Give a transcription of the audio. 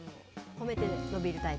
褒めて伸びるタイプ。